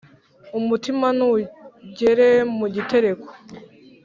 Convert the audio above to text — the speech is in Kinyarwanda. Umutima nugere mu gitereko